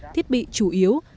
thiết bị chủ yếu